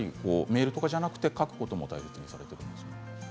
メールとかではなくて書くことを大切にされている。